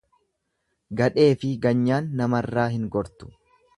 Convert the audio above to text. Gadheefi ganyaan namarraa hin goru.